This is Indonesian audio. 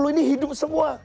tujuh puluh ini hidup semua